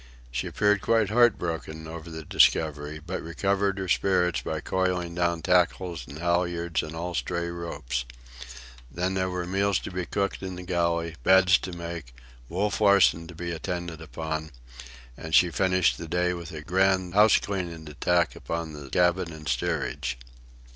She appeared quite heart broken over the discovery, but recovered her spirits by coiling down tackles and halyards and all stray ropes. Then there were meals to be cooked in the galley, beds to make, Wolf Larsen to be attended upon, and she finished the day with a grand house cleaning attack upon the cabin and steerage.